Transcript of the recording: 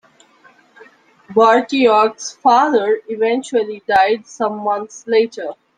Barkiyaruq's father eventually died some months later.